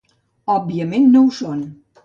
Òbviament no ho són.